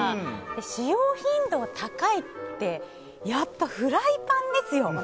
使用頻度が高いってやっぱ、フライパンですよ。